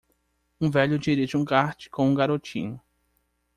Um velho dirige um kart com um garotinho.